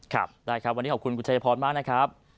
ครับได้ครับวันนี้ขอบคุณคุณชายพรมากนะครับ